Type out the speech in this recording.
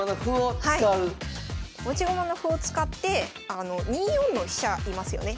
持ち駒の歩を使って２四の飛車居ますよね。